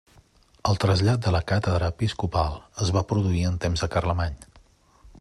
El trasllat de la càtedra episcopal es va produir en temps de Carlemany.